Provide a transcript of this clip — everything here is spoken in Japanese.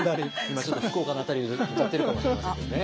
今ちょっと福岡の辺りで歌ってるかもしれませんけどね。